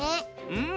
うん。